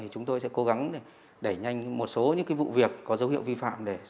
thì chúng tôi sẽ cố gắng để đẩy nhanh một số những cái vụ việc có dấu hiệu vi phạm